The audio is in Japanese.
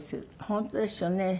本当ですよね。